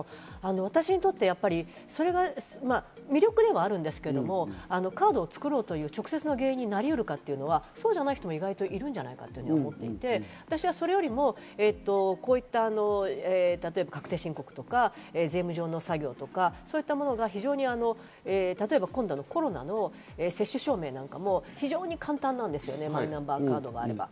私にとってそれが魅力ではあるんですけど、カードを作ろうという直接の原因になりうるかというのはそうじゃない人も意外といるんじゃないかと思っていて、私はそれよりもこういった確定申告とか税務上の作業とかそういったものが、例えば今度のコロナの接種証明なんかも非常に簡単なんですよね、マイナンバーカードがあれば。